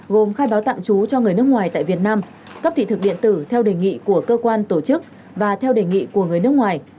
gồm khai báo tạm trú cho người nước ngoài tại việt nam cấp thị thực điện tử theo đề nghị của cơ quan tổ chức và theo đề nghị của người nước ngoài